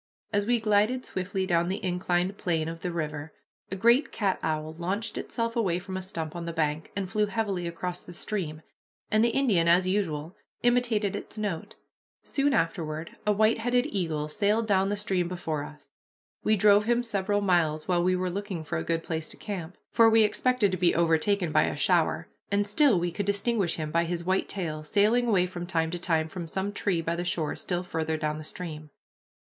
As we glided swiftly down the inclined plane of the river, a great cat owl launched itself away from a stump on the bank, and flew heavily across the stream, and the Indian, as usual, imitated its note. Soon afterward a white headed eagle sailed down the stream before us. We drove him several miles, while we were looking for a good place to camp, for we expected to be overtaken by a shower, and still we could distinguish him by his white tail, sailing away from time to time from some tree by the shore still farther down the stream.